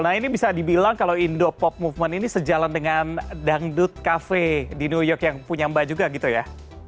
nah ini bisa dibilang kalau indo pop movement ini sejalan dengan dangdut cafe di new york yang punya mbak juga gitu ya